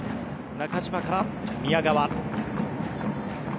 中島から宮川。